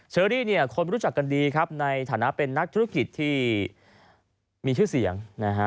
เชอรี่เนี่ยคนรู้จักกันดีครับในฐานะเป็นนักธุรกิจที่มีชื่อเสียงนะฮะ